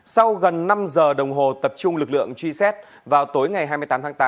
sau gần năm giờ đồng hồ tập trung lực lượng truy xét vào tối ngày hai mươi tám tháng tám